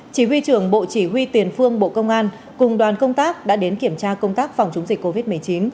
chỉ huy trưởng bộ chỉ huy tiền phương bộ công an cùng đoàn công tác đã đến kiểm tra công tác phòng chống dịch covid một mươi chín